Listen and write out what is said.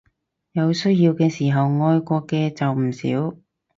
有需要嘅時候愛國嘅就唔少